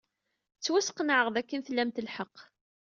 Ttwasqenɛeɣ dakken tlamt lḥeqq.